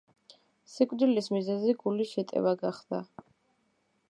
სიკვდილის მიზეზი გულის შეტევა გახდა.